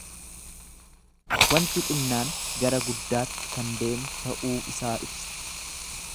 Wanti xinnaan gara guddaatti kan deemu ta'uu isaa ibsa.